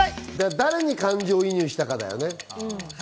誰に感情移入したかだよね。